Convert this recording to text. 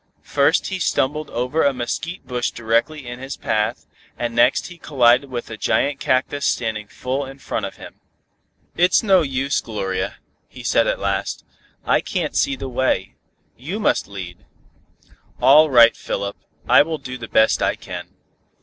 First he stumbled over a mesquite bush directly in his path, and next he collided with a giant cactus standing full in front of him. "It's no use, Gloria," he said at last. "I can't see the way. You must lead." "All right, Philip, I will do the best I can."